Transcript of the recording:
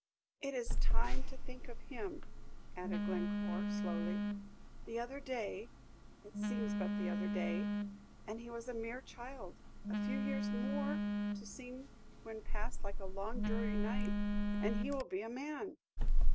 "It is time to think of him," added Glencore, slowly. "The other day, it seems but the other day, and he was a mere child; a few years more, to seem when past like a long dreary night, and he will be a man."